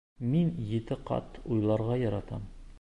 Мин ете ҡат уйларға яратам!